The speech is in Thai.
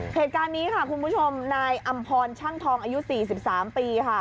เหตุการณ์นี้ค่ะคุณผู้ชมนายอำพรช่างทองอายุ๔๓ปีค่ะ